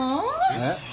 えっ？